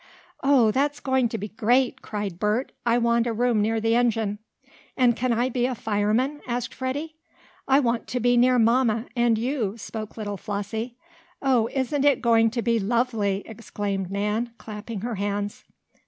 "Oh, that's going to be great!" cried Bert. "I want a room near the engine." "And can I be a fireman?" asked Freddie. "I want to be near mamma and you," spoke little Flossie. "Oh, isn't it going to be lovely!" exclaimed Nan, clapping her hands.